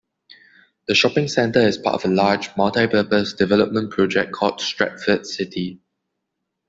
The shopping centre is part of a large multi-purpose development project called Stratford City.